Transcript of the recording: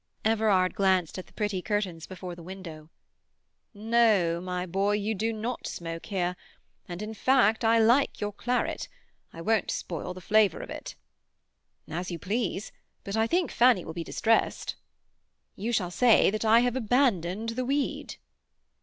Everard glanced at the pretty curtains before the windows. "No, my boy, you do not smoke here. And, in fact, I like your claret; I won't spoil the flavour of it." "As you please; but I think Fanny will be distressed." "You shall say that I have abandoned the weed."